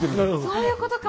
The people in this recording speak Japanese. そういうことか！